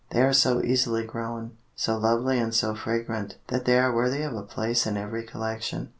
They are so easily grown; so lovely and so fragrant that they are worthy of a place in every collection.